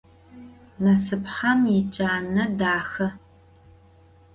Nasıpxhan yicane daxe.